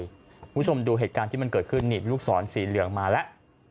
คุณผู้ชมดูเหตุการณ์ที่มันเกิดขึ้นนี่ลูกศรสีเหลืองมาแล้ว